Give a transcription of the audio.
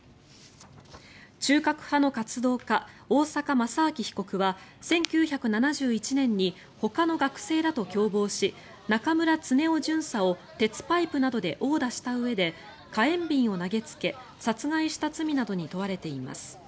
中核派の活動家大坂正明被告は１９７１年にほかの学生らと共謀し中村恒雄巡査を鉄パイプなどで殴打したうえで火炎瓶を投げつけ殺害した罪などに問われています。